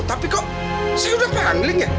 tapi kok saya sudah perangling ya